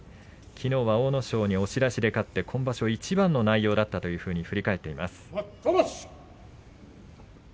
きのうは阿武咲に押し出しで勝って今場所一番の内容だったというふうに振り返っていました。